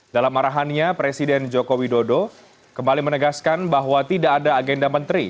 dalam arahannya presiden joko widodo kembali menegaskan bahwa tidak ada agenda menteri